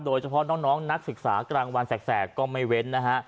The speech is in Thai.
โดยเฉพาะน้องนักศึกษากลางวันแสกก็ไม่เว้นนะฮะ